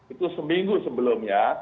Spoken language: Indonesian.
itu seminggu sebelumnya